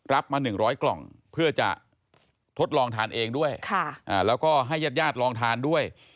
มา๑๐๐กล่องเพื่อจะทดลองทานเองด้วยแล้วก็ให้ญาติญาติลองทานด้วย